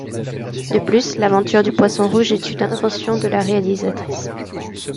De plus, l'aventure du poisson rouge est une invention de la réalisatrice.